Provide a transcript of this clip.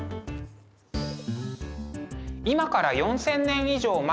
今から４，０００年以上前